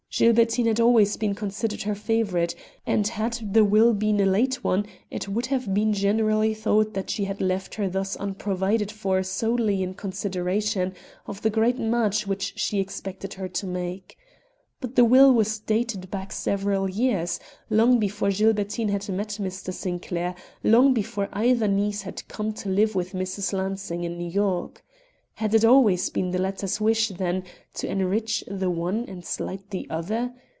Gilbertine had always been considered her favorite, and, had the will been a late one, it would have been generally thought that she had left her thus unprovided for solely in consideration of the great match which she expected her to make. But the will was dated back several years, long before Gilbertine had met Mr. Sinclair, long before either niece had come to live with Mrs. Lansing in New York. Had it always been the latter's wish, then, to enrich the one and slight the other?